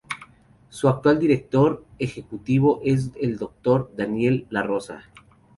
Su actual director ejecutivo es el doctor Daniel Larrosa.